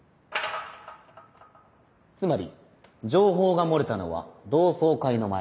つまり情報が漏れたのは同窓会の前。